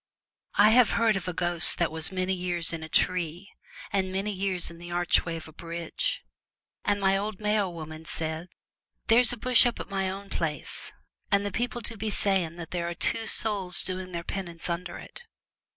I have heard of a ghost that was many years in a tree and many years in the archway of a bridge, and my old Mayo woman says, ' There is a bush up at my own place, and the people do be saying that there are two souls doing their penance under it.